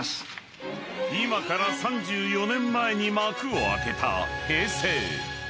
［今から３４年前に幕を開けた平成］